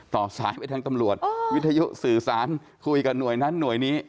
ต่อสายไปทางตำรวจวิทยุสื่อสารคุยกับหน่วยนั้นหน่วยนี้